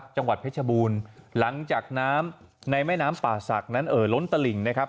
จังหวัดเพชรบูรณ์หลังจากน้ำในแม่น้ำป่าศักดิ์นั้นเอ่อล้นตลิ่งนะครับ